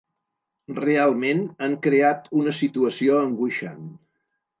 Realment, han creat una situació angoixant.